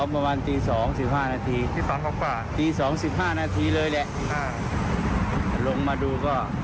พอนี่ผมก็ยืนอยู่